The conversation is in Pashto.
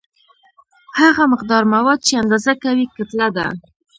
هغه مقدار مواد چې اندازه کوي کتله ده.